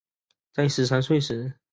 在十三岁时